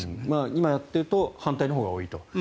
今やっていると反対のほうが多いと。